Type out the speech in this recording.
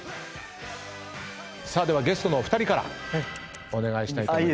さあではゲストのお二人からお願いしたいと思います。